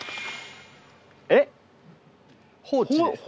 えっ！